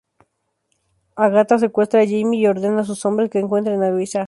Ágata secuestra a Jaime y ordena a sus hombres que encuentren a Luisa.